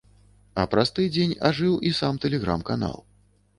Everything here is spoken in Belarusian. А праз тыдзень ажыў і сам тэлеграм-канал.